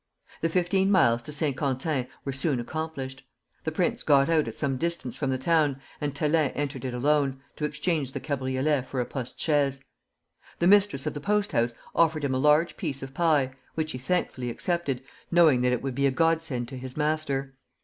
The fifteen miles to St. Quentin were soon accomplished. The prince got out at some distance from the town, and Thélin entered it alone, to exchange the cabriolet for a postchaise. The mistress of the post house offered him a large piece of pie, which he thankfully accepted, knowing that it would be a godsend to his master.